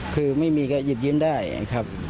คือไม่มีก็หยิบยิ้มได้นะครับ